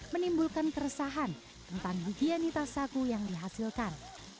menimbulkan keresahan tentang higienitas sagu yang dihasilkan